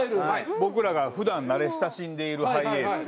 僕らが普段慣れ親しんでいるハイエース。